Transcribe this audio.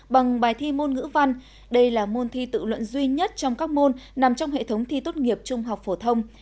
bằng bài thi môn ngữ văn đây là môn thi tự luận duy nhất trong các môn nằm trong hệ thống thi tốt nghiệp trung học phổ thông